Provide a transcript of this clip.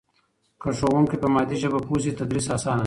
که ښوونکی په مادي ژبه پوه سي تدریس اسانه دی.